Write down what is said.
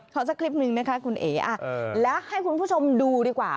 สักคลิปหนึ่งนะคะคุณเอ๋แล้วให้คุณผู้ชมดูดีกว่า